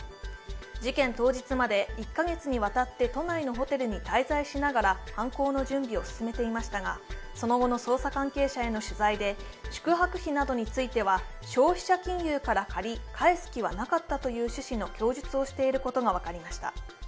事件当日まで１カ月にわたって都内のホテルに滞在しながら犯行の準備を進めていましたが、その後の捜査関係者への取材で宿泊費などについては消費者金融から借り返す気はなかったという趣旨の供述をしていることが分かりました。